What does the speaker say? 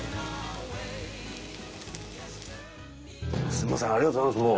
すみませんありがとうございます